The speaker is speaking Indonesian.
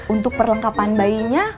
untuk perlengkapan bayinya